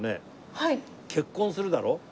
結婚するだろ？